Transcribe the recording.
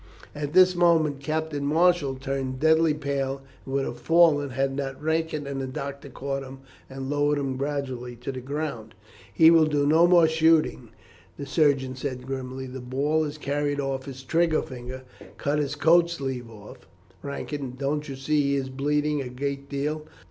At this moment Captain Marshall turned deadly pale and would have fallen had not Rankin and the doctor caught him, and lowered him gradually to the ground. "He will do no more shooting," the surgeon said grimly, "the ball has carried off his trigger finger. Cut his coat sleeve off, Rankin. Don't you see he is bleeding a great deal?